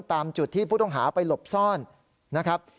ตามจุดที่ผู้ต้องหาไปหลบซ่อนนะครับ